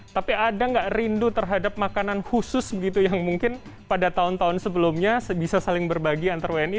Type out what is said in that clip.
tapi ada nggak rindu terhadap makanan khusus begitu yang mungkin pada tahun tahun sebelumnya bisa saling berbagi antar wni